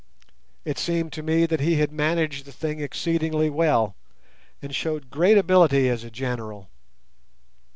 It seemed to me that he had managed the thing exceedingly well, and showed great ability as a general.